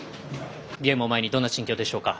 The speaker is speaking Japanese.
ゲームを前にどんな心境でしょうか。